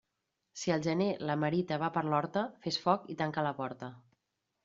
Si al gener la merita va per l'horta, fes foc i tanca la porta.